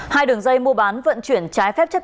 hai đường dây mua bán vận chuyển trái phép chất